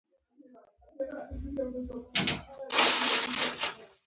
زه هره ورځ آشپزی کوم.